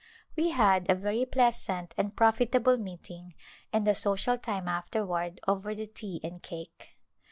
We had a very pleasant and profitable meeting and a social time afterward over the tea and cake.